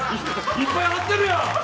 いっぱい貼ってるやん！